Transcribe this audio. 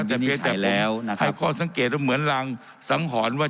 ประทานวินิจฉัยแล้วนะครับให้คนสังเกตอยู่เหมือนลางสังหรณ์ว่า